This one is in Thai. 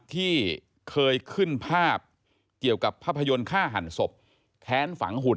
ที่เคยขึ้นภาพเกี่ยวกับภาพยนตร์ฆ่าหันศพแค้นฝังหุ่น